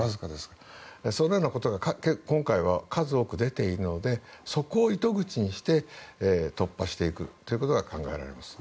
そのようなことが今回は数多く出ているのでそこを糸口にして突破していくということが考えられます。